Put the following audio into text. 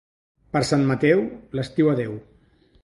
Per Sant Mateu, l'estiu adeu.